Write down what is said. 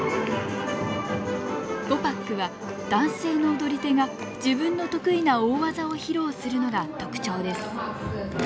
「ゴパック」は男性の踊り手が自分の得意な大技を披露するのが特徴です。